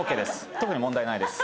特に問題ないです。